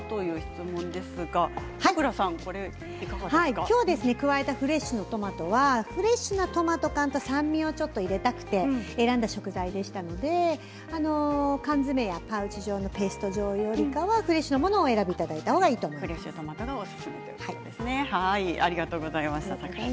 今日加えたフレッシュなトマトはフレッシュなトマト缶と酸味をちょっと入れたくて選んだ食材でしたので缶詰やパウチのペースト状よりはフレッシュなものをお選びいただいた方がいいと思います。